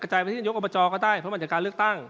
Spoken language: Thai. กระจายประชายนโยคอบจก็ได้เพราะว่ามันจากการเลือกตั้ง